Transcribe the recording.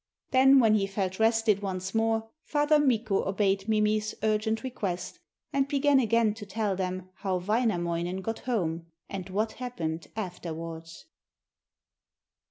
Then, when he felt rested once more, Father Mikko obeyed Mimi's urgent request and began again to tell them how Wainamoinen got home, and what happened afterwards.